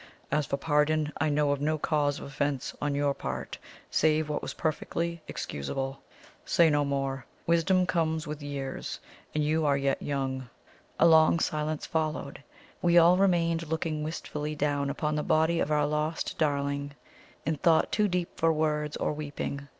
As for pardon, I know of no cause of offence on your part save what was perfectly excusable. Say no more; wisdom comes with years, and you are yet young." A long silence followed. We all remained looking wistfully down upon the body of our lost darling, in thought too deep for words or weeping.